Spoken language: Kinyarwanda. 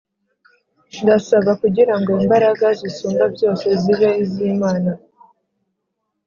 Ndasaba kugira ngo imbaraga zisumba byose zibe iz’Imana